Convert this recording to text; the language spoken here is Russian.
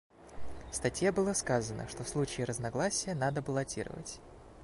В статье было сказано, что в случае разногласия надо баллотировать.